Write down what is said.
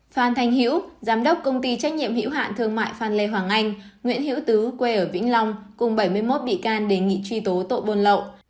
phan thanh hiễu giám đốc công ty trách nhiệm hữu hạn thương mại phan lê hoàng anh nguyễn hữu tứ quê ở vĩnh long cùng bảy mươi một bị can đề nghị truy tố tội buôn lậu